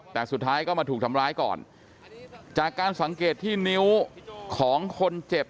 แต่สุดท้ายก็มาถูกทำร้ายก่อนจากการสังเกตที่นิ้วของคนเจ็บ